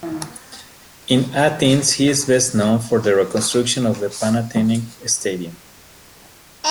In Athens he is best known for the reconstruction of the Panathenaic Stadium.